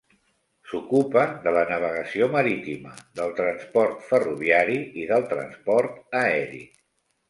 S'ocupa de la navegació marítima, del transport ferroviari i del transport aeri.